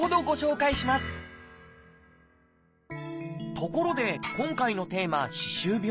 ところで今回のテーマ「歯周病」。